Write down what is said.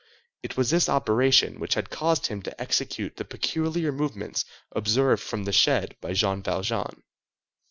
It was this operation which had caused him to execute the peculiar movements observed from the shed by Jean Valjean.